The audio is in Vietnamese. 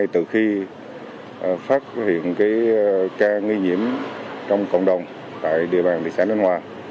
từ khi phát hiện ca nghi nhiễm trong cộng đồng tại địa bàn thị xã ninh hòa